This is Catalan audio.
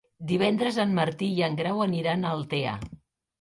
Divendres en Martí i en Grau aniran a Altea.